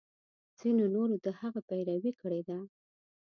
ځینو نورو د هغه پیروي کړې ده.